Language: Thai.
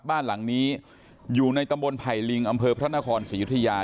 บ้านหลังนี้อยู่ในตำบลไผ่ลิงอำเภอพระนครศรียุธยา